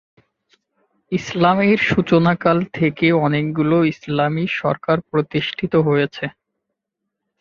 ইসলামের সূচনাকাল থেকে অনেকগুলো ইসলামী সরকার প্রতিষ্ঠিত হয়েছে।